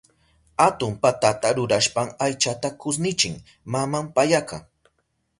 Atun patata rurashpan aychata kushnichin maman payaka.